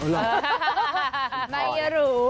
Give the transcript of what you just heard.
ไม่รู้